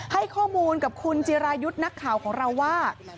ให้ข้อมูลกับคุณจิรายุทธ์นักข่าวของเราว่า